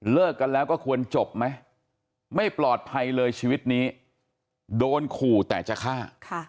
กันแล้วก็ควรจบไหมไม่ปลอดภัยเลยชีวิตนี้โดนขู่แต่จะฆ่า